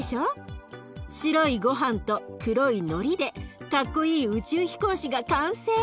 白いごはんと黒いのりでかっこいい宇宙飛行士が完成。